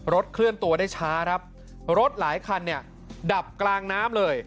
รถเคลื่อนตัวได้ช้ารถหลายคันดับกลางน้ำเลย